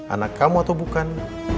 anak kamu atau bukan